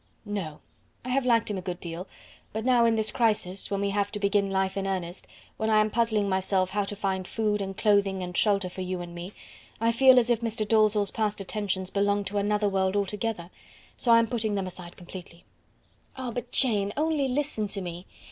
"No; I have liked him a good deal; but now in this crisis, when we have to begin life in earnest when I am puzzling myself how to find food and clothing and shelter for you and me I feel as if Mr. Dalzell's past attentions belonged to another world altogether, so I am putting them aside completely." "Ah! but Jane, only listen to me.